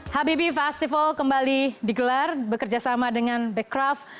habibi festival kembali digelar bekerjasama dengan becraf